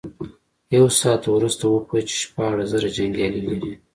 يو ساعت وروسته وپوهېد چې شپاړس زره جنيګالي لري.